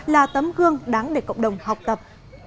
là tấm gương đáng để cộng đồng học tập